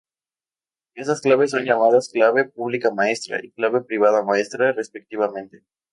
Estas claves son llamadas clave pública maestra y clave privada maestra respectivamente.